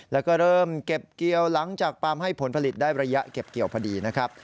แล้วก็เริ่มเก็บเกี่ยวหลังจากปั๊มให้ผลผลิตได้ระยะเก็บเกี่ยวพอดีนะครับ